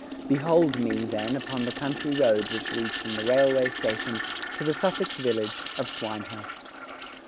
Behold me, then, upon the country road which leads from the railway station to the Sussex village of Swinehurst.